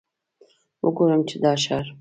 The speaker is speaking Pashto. وګورم چې دا ښار.